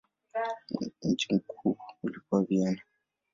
Mji mkuu ulikuwa Vienna.